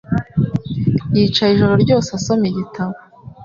Yicaye ijoro ryose asoma igitabo.